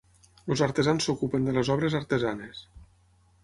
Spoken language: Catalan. Els artesans s'ocupen de les obres artesanes.